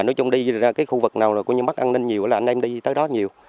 nói chung đi ra cái khu vực nào có những mắc an ninh nhiều là anh em đi tới đó nhiều